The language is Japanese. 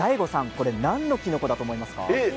これは、何のきのこだと思いますか。